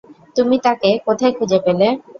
তুমি তাকে কোথায় খুঁজে পেলে?